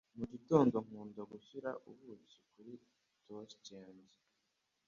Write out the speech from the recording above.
Mu gitondo, nkunda gushyira ubuki kuri toast yanjye.